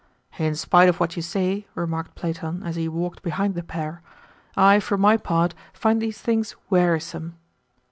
"In spite of what you say," remarked Platon as he walked behind the pair, "I, for my part, find these things wearisome."